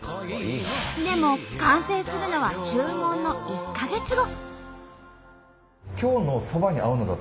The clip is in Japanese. でも完成するのは注文の１か月後。